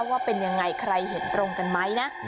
ว่าเป็นยังไงใครเห็นตรงกันไหมนะ